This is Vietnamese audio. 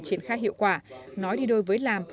triển khai hiệu quả nói đi đôi với làm